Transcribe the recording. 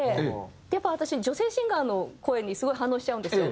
やっぱ私女性シンガーの声にすごい反応しちゃうんですよ。